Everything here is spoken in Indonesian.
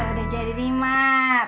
udah jadi nih mak